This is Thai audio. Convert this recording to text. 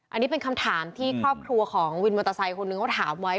อันนี้เป็นคำถามที่ครอบครัวของวินมอเตอร์ไซค์คนหนึ่งเขาถามไว้